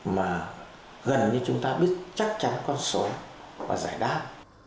mà gần như chúng ta biết chắc chắn con số và giải đáp